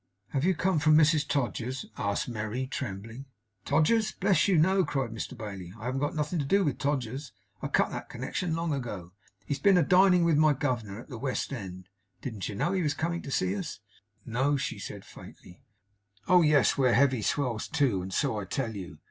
'Have you come from Mrs Todgers's?' asked Merry, trembling. 'Todgers's, bless you! No!' cried Mr Bailey. 'I haven't got nothin, to do with Todgers's. I cut that connection long ago. He's been a dining with my governor at the west end. Didn't you know he was a coming to see us?' 'No,' she said, faintly. 'Oh yes! We're heavy swells too, and so I tell you.